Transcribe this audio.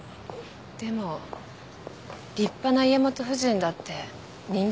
でも立派な家元夫人だって人間ですよね。